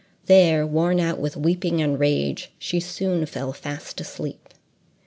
There, worn out with weeping and rage, she soon fell fast asleep.